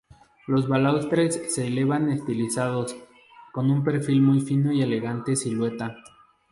Los balaustres se elevan estilizados, con un perfil muy fino y elegante silueta.